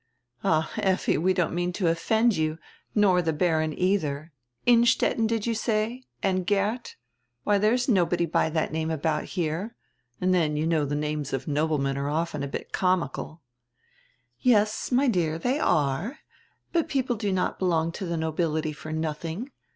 "Ah, Effi, we don't mean to offend you, nor die Baron either. Innstetten did you say? And Geert? Why, diere is nobody by diat name about here. And dien you know die names of noblemen are often a bit comical." "Yes, my dear, diey are. But people do not belong to die nobility for nothing.